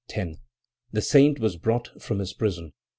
The Saint was brought from his prison.